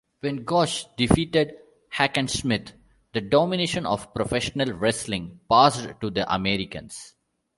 When Gotch defeated Hackenschmidt, the domination of professional wrestling passed to the Americans.